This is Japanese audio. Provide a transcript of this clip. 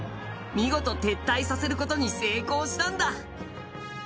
見事、撤退させる事に成功したんだ